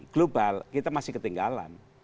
global kita masih ketinggalan